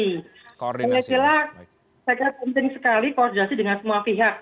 sejujurnya saya keringin sekali koordinasi dengan semua pihak